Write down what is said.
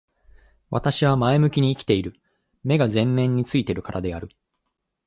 私は前向きに生きている。目が前面に付いているからである。